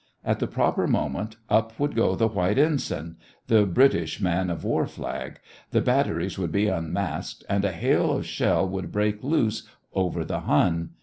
At the proper moment, up would go the white ensign the British man of war flag the batteries would be unmasked, and a hail of shell would break loose over the Hun.